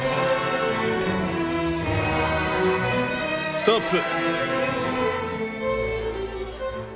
ストップ。